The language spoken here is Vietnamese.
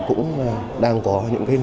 cũng đang có những lợi ích